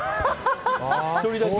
１人だけ？